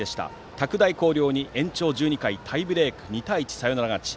拓大紅陵に延長１２回タイブレーク２対１のサヨナラ勝ち。